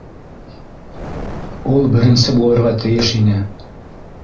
—Ул беренсе булырға тейеш ине!